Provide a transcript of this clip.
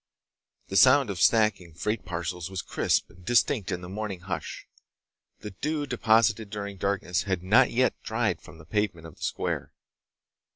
The sound of the stacking of freight parcels was crisp and distinct in the morning hush. The dew deposited during darkness had not yet dried from the pavement of the square.